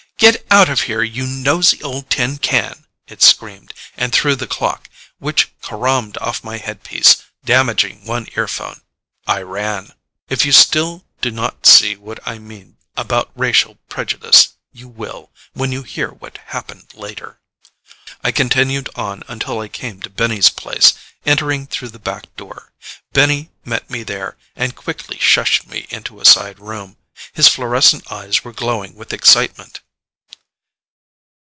"Get out of here, you nosey old tin can!" it screamed, and threw the clock, which caromed off my headpiece, damaging one earphone. I ran. If you still do not see what I mean about racial prejudice, you will, when you hear what happened later. I continued on until I came to Benny's Place, entering through the back door. Benny met me there, and quickly shushed me into a side room. His fluorescent eyes were glowing with excitement.